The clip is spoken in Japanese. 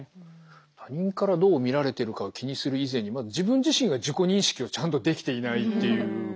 他人からどう見られてるかを気にする以前にまず自分自身が自己認識をちゃんとできていないっていうことなんですかね。